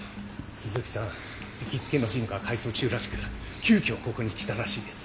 鈴木さん行きつけのジムが改装中らしく急遽ここに来たらしいです。